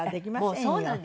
もうそうなんです。